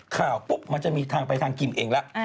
ข่าวปุ๊บมันจะมีทางไปทางกิมเองละ